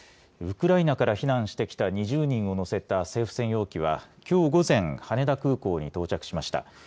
ウクライナから避難してきた２０人を乗せた政府専用機はきょう午前、羽田空港に到着しました。